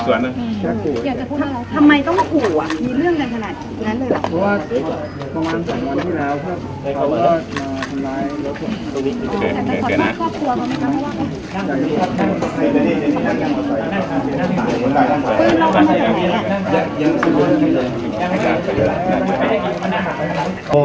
สวัสดีทุกคน